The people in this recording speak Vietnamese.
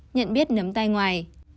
nhận biết nấm tay ngoài